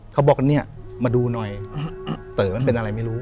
เขาบอกกันเนี่ยมาดูหน่อยเต๋อมันเป็นอะไรไม่รู้